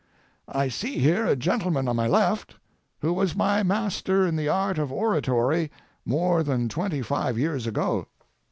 I see here a gentleman on my left who was my master in the art of oratory more than twenty five years ago.